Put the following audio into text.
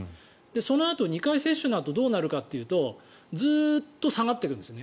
そのあと、２回接種のあとどうなるかというとずっと下がってくんです。